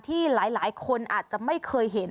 ที่หลายคนอาจจะไม่เคยเห็น